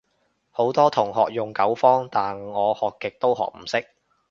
好多同學用九方，但我學極都學唔識